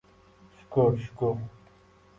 — Shukur, shukur.